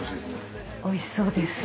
おいしそうです。